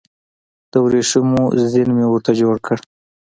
د وریښمو زین مې ورته جوړ کړ